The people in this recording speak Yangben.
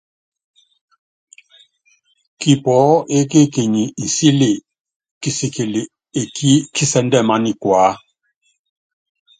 Kipɔɔ́ ékekenyi nsíli kisikili ekí kisɛ́ndɛ́ mányikuá.